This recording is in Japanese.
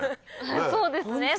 そうですね。